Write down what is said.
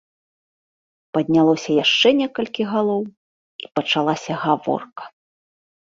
Паднялося яшчэ некалькі галоў, і пачалася гаворка.